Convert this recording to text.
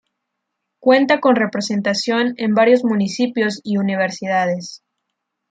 Cuenta con representación en varios municipios y universidades.